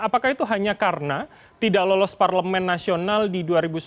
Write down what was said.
apakah itu hanya karena tidak lolos parlemen nasional di dua ribu sembilan belas